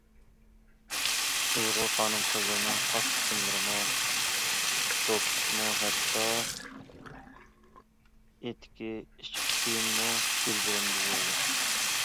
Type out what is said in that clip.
ئۇيغۇر خانىم- قىزلىرىنىڭ خاس ئىسىملىرىمۇ، دوپپىسىمۇ، ھەتتا ئېتىكى، ئىچ كىيىمىمۇ گۈل بىلەن بېزىلىدۇ.